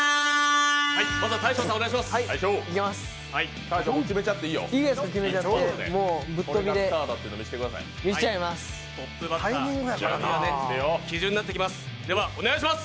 まずは大昇さん、お願いします。